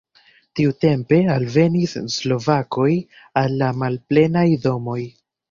Tiutempe alvenis slovakoj al la malplenaj domoj.